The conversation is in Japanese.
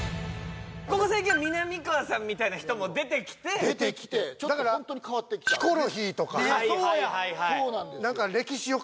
ここ最近はみなみかわさんみたいな人も出てきて出てきてちょっと本当に変わってきたヒコロヒーとか・そうや！